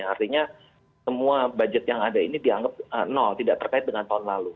artinya semua budget yang ada ini dianggap nol tidak terkait dengan tahun lalu